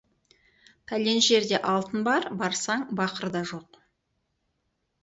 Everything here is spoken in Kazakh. Пәлен жерде алтын бар, барсаң, бақыр да жоқ.